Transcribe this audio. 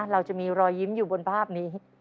เราจะมีรอยยิ้มอยู่บนภาพนี้